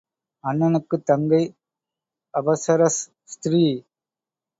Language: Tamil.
அண்ணனுக்குத் தங்கை அபஸரஸ் ஸ்திரீ.